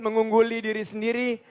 mengungguli diri sendiri